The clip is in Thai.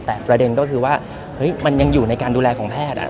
แต่ประเด็นก็คือว่ามันยังอยู่ในการดูแลของแพทย์